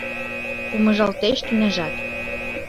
Помыжалтеш тӱняжат